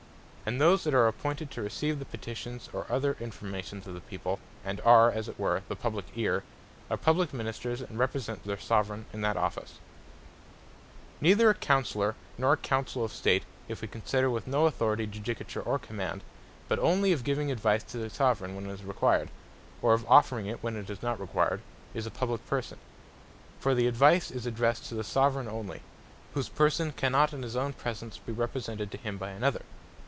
And those that are appointed to receive the Petitions or other informations of the People, and are as it were the publique Eare, are Publique Ministers, and represent their Soveraign in that office. Counsellers Without Other Employment Then To Advise Are Not Publique Ministers Neither a Counsellor, nor a Councell of State, if we consider it with no Authority of Judicature or Command, but only of giving Advice to the Soveraign when it is required, or of offering it when it is not required, is a Publique Person. For the Advice is addressed to the Soveraign only, whose person cannot in his own presence, be represented to him, by another.